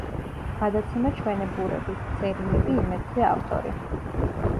გადაცემა „ჩვენებურების“, „წერილები იმედზე“, ავტორი.